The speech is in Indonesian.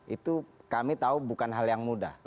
itu kami tahu bukan hal yang mudah